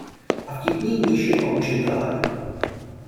A vtipní mniši a učitelé.